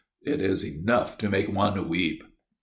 It is enough to make one weep."